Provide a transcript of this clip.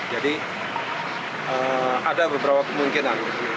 jadi ada beberapa kemungkinan